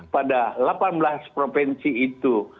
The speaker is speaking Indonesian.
pada delapan belas provinsi itu